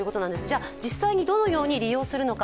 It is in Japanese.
じゃあ実際にどのように利用するのか。